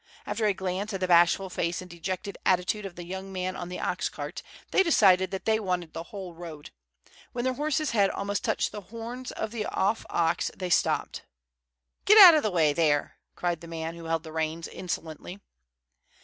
After a glance at the bashful face and dejected attitude of the young man on the ox cart, they decided that they wanted the whole road. When their horse's head almost touched the horns of the off ox, they stopped. "Get out of the way there!" cried the man who held the reins, insolently.